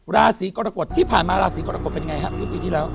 ราศีก็รกฎทีผ่านมาราศีก็รกฎเป็นไงฮะ